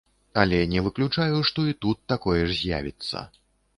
Але не выключаю, што і тут такое ж з'явіцца.